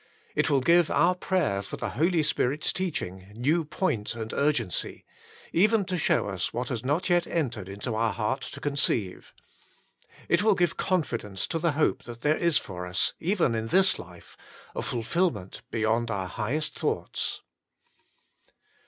It will give our prayer for the Holy Spirit's teaching new point and urgency, even to show us what has not yet entered into our heart to conceive. It will give confidence to the hope that there is for us, even in this life, a fulfilment beyond our highest thoughts.